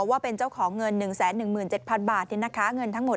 ว่าเป็นเจ้าของเงิน๑๑๗๐๐๐บาทนี่นะคะ